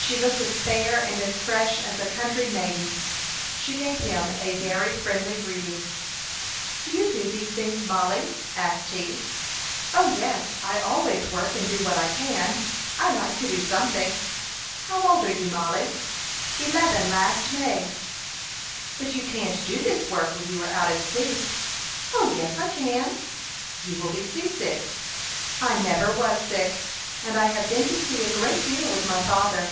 She looked as fair and as fresh as a country maiden. She gave him a very friendly greeting. "Do you do these things, Mollie?" asked he. "O, yes; I always work, and do what I can. I like to do something." "How old are you, Mollie?" "Eleven last May." "But you can't do this work when you are out at sea." "O, yes, I can." "You will be seasick." "I never was sick, and I have been to sea a great deal with my father."